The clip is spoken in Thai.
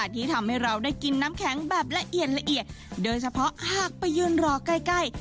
ที่ทำให้เราได้กินน้ำแข็งแบบละเอียดละเอียดโดยเฉพาะหากไปยืนรอใกล้ใกล้